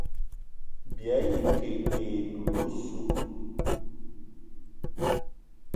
Bìayî ke e dula ossu.